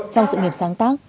trong sự nghiệp sáng tác